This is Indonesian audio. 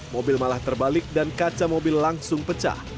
mobil malah terbalik dan kaca mobil langsung pecah